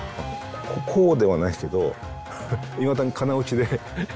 こうではないけどいまだにかな打ちで僕は。